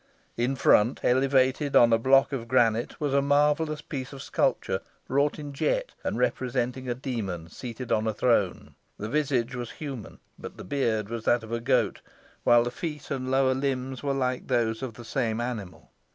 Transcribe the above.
In front, elevated on a block of granite, was a marvellous piece of sculpture, wrought in jet, and representing a demon seated on a throne. The visage was human, but the beard that of a goat, while the feet and lower limbs were like those of the same animal.